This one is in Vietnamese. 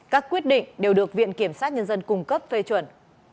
các quyết định đều được viện kiểm sát nhân dân cung cấp phê chuẩn